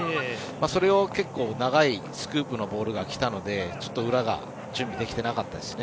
それを結構長いスクープのボールが来たのでちょっと裏が準備できてなかったですね。